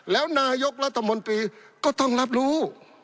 แล้วนายกรัฐมนตรีก็ต้องรับรู้